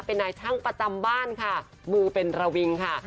เป็นนายช่างประจำบ้านค่ะมือเป็นระวิงค่ะ